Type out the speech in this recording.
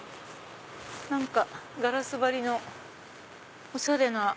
何かガラス張りのおしゃれな。